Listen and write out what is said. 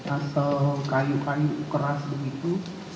atau kayu keras begitu